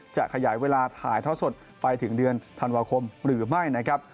จะขยายเวลาถ่ายท่อสดไปถึงเดือนธันวาคมหรือไม่นะครับ